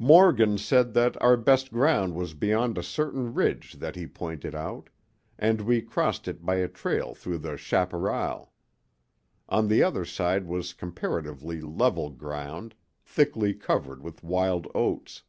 Morgan said that our best ground was beyond a certain ridge that he pointed out, and we crossed it by a trail through the chaparral. On the other side was comparatively level ground, thickly covered with wild oats.